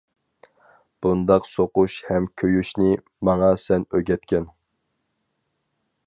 بۇنداق سوقۇش ھەم كۆيۈشنى ماڭا سەن ئۆگەتكەن.